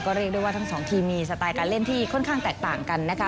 เรียกได้ว่าทั้งสองทีมมีสไตล์การเล่นที่ค่อนข้างแตกต่างกันนะคะ